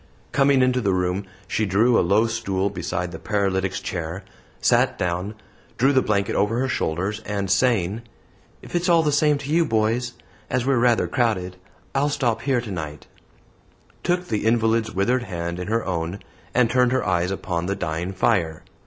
Coming into the room, she drew a low stool beside the paralytic's chair, sat down, drew the blanket over her shoulders, and saying, "If it's all the same to you, boys, as we're rather crowded, I'll stop here tonight," took the invalid's withered hand in her own, and turned her eyes upon the dying fire.